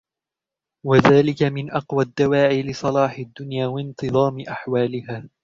وَذَلِكَ مِنْ أَقْوَى الدَّوَاعِي لِصَلَاحِ الدُّنْيَا وَانْتِظَامِ أَحْوَالِهَا